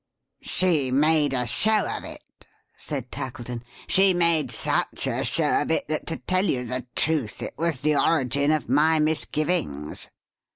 "She made a show of it," said Tackleton. "She made such a show of it, that to tell you the truth it was the origin of my misgivings."